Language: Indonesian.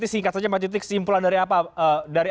singkat saja mbak citi kesimpulan dari